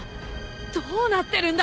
どうなってるんだ！